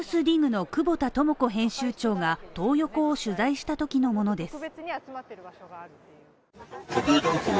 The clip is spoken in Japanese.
ＮＥＷＳＤＩＧの久保田智子編集長がトー横を取材したときのものです。